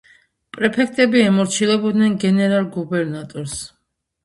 პრეფექტები ემორჩილებოდნენ გენერალ-გუბერნატორს.